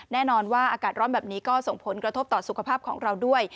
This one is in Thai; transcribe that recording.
แน่นอนว่าอากาศร้อนแบบนี้ก็ส่งผลกระทบต่อสุขภาพของเราด้วย